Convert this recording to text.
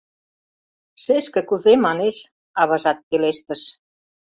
— Шешке кузе манеш, — аважат пелештыш.